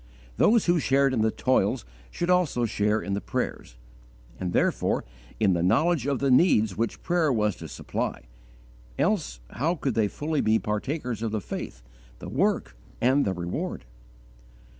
Those who shared in the toils should also share in the prayers, and therefore in the knowledge of the needs which prayer was to supply; else how could they fully be partakers of the faith, the work, and the reward?